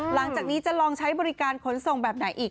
หลังจากนี้จะลองใช้บริการขนส่งแบบไหนอีก